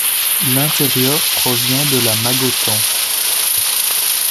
L'intérieur provient de la Magotan.